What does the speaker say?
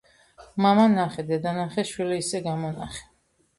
მამა ნახე, დედა ნახე, შვილი ისე გამონახე